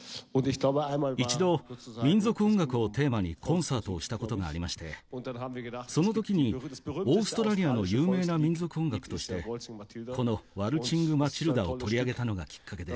一度民族音楽をテーマにコンサートをした事がありましてその時にオーストラリアの有名な民族音楽としてこの『ワルチング・マチルダ』を取り上げたのがきっかけです。